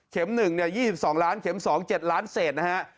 เข็ม๑๒๒๐๐๐๐๐๐เข็ม๒๗๐๐๐๐๐๐เสร็จนะครับ